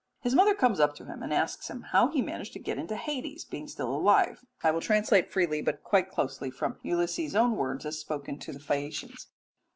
His mother comes up to him and asks him how he managed to get into Hades, being still alive. I will translate freely, but quite closely, from Ulysses' own words, as spoken to the Phaeacians.